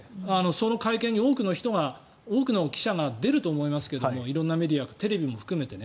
その会見に多くの記者が出ると思いますが色んなメディアがテレビも含めて。